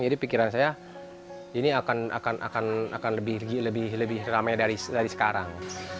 jadi pikiran saya ini akan lebih ramai dari sekarang